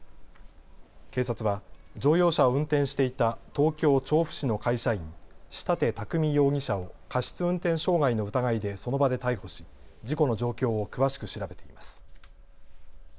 警察は乗用車を運転していた東京調布市の会社員、仕立拓海容疑者を過失運転傷害の疑いでその場で逮捕し事故の状況を詳しく調べています。